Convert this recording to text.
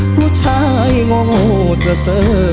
ผู้ชายโง่เธอ